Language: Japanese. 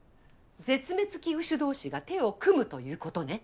絶滅危惧種同士が手を組むということね。